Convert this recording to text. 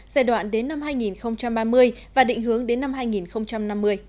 giai đoạn đến năm hai nghìn ba mươi và định hướng đến năm hai nghìn năm mươi